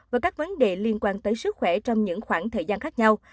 và các vấn đề liên quan tới sức khỏe trong những khoảng thời gian khác nhau